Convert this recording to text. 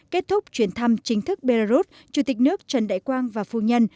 kết thúc chuyến thăm chính thức belarus chủ tịch nước trần đại quang và phu nhân